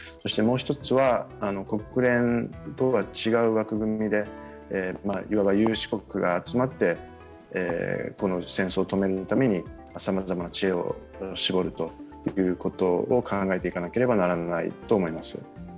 もう一つは、国連とは違う枠組みでいわば有志国が集まって、この戦争を止めるためにさまざまな知恵を絞るということを考えていかなければならないと思います。